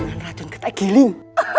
dengan racun ketai giling